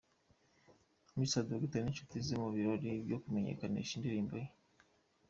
Mr D n'ishuti ze mu birori byo kumenyekanisha indirimbo ye.